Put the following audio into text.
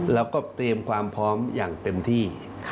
เราก็เตรียมความพร้อมอย่างเต็มที่